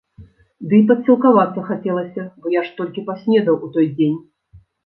Ды і падсілкавацца хацелася, бо я ж толькі паснедаў у той дзень.